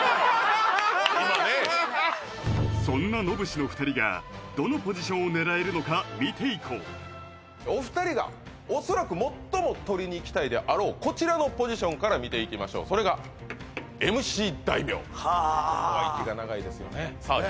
そんな野武士の二人がどのポジションを狙えるのか見ていこうお二人がおそらく最も取りにいきたいであろうこちらのポジションから見ていきましょうそれがはあここは息が長いですよねさあ